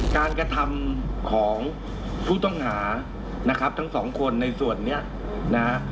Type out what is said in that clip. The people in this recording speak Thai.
การกระทำของผู้ต้องหานะครับทั้งสองคนในส่วนนี้นะฮะ